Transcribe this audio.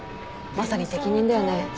まさに適任だよね。